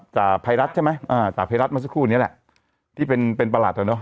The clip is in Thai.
จ่าไพรัสใช่ไหมอ่าจ่าไพรัสมาสักครู่เนี้ยแหละที่เป็นเป็นประหลัดแล้วเนอะ